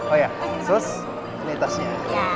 oh ya sus ini tasnya